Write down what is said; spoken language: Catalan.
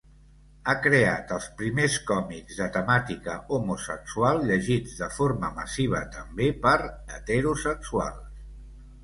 Ha creat els primers còmics de temàtica homosexual llegits de forma massiva també per heterosexuals.